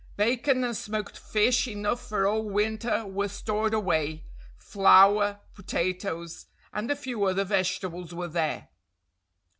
Bacon and smoked fish enough for all winter were stored away; flour, potatoes, and a few other vegetables were there.